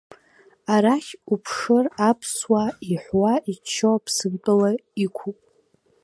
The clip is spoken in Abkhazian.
Арахь уԥшыр, аԥсуаа иҳәуа-ичо Аԥсынтәыла иқәуп.